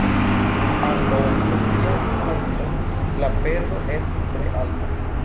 Ankaŭ el socia vidpunkto la perdo estis tre alta.